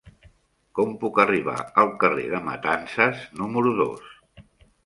Com puc arribar al carrer de Matanzas número dos?